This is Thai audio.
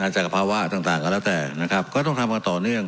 จากภาวะต่างก็แล้วแต่นะครับก็ต้องทำกันต่อเนื่อง